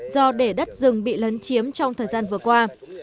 do để đất rừng bị lấn chiếm trong thời gian vừa qua